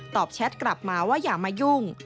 แชทกลับมาว่าอย่ามายุ่ง